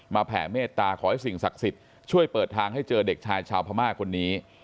แผ่เมตตาขอให้สิ่งศักดิ์สิทธิ์ช่วยเปิดทางให้เจอเด็กชายชาวพม่าคนนี้